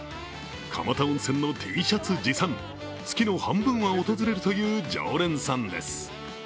蒲田温泉のＴシャツ持参、月の半分は訪れるという常連さんです。